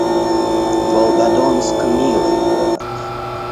Волгодонск — милый город